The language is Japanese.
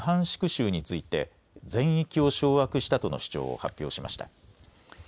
州について全域を掌握したとの主張を発表しました。